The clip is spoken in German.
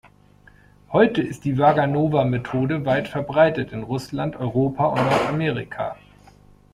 Heute ist die Waganowa-Methode weit verbreitet in Russland, Europa und Nordamerika.